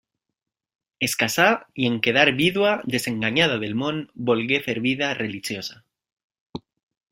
Es casà i en quedar vídua, desenganyada del món, volgué fer vida religiosa.